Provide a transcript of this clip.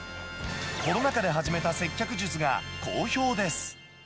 コロナ禍で始めた接客術が好評です。